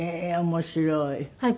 面白い。